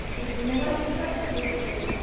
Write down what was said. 根がしっかりしてるというか。